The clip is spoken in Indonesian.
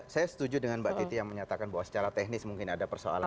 saya setuju dengan mbak titi yang menyatakan bahwa secara teknis mungkin ada persoalan